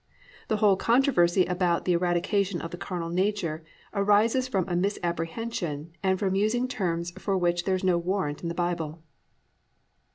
The whole controversy about "the eradication of the carnal nature" arises from a misapprehension and from using terms for which there is no warrant in the Bible.